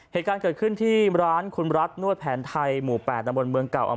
เหตุการณ์เกิดขึ้นที่ร้านคุณรัฐนวดแผนไทยหมู่๘ตำบลเมืองเก่า